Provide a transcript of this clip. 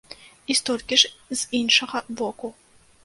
І столькі ж з іншага боку.